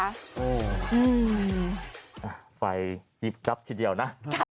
อืมไฟยิบจับทีเดียวนะ